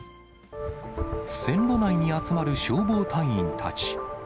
線路内に集まる消防隊員たち。